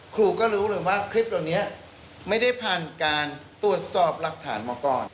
ครูก็รู้เลยว่าคลิปเหล่านี้ไม่ได้ผ่านการตรวจสอบหลักฐานมาก่อน